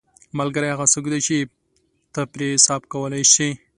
ملګری هغه څوک دی چې ته پرې حساب کولی شې